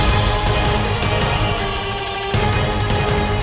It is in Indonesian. jangan lupa like share dan subscribe yaa